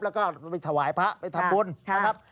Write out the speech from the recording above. แล้วก็ไปถวายพระไปทำบุญนะครับ